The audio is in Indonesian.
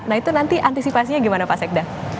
nah itu nanti antisipasinya gimana pak sekda